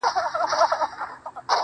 زه دغه ستا د يوازيتوب په معنا~